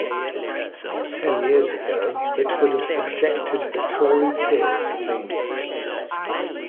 Ten years ago, it would have subjected the Tory Peers of England.